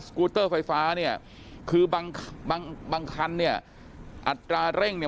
กูเตอร์ไฟฟ้าเนี่ยคือบางบางคันเนี่ยอัตราเร่งเนี่ย